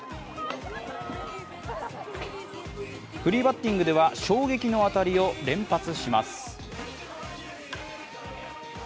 フリーバッティングでは衝撃の当たりを連発します。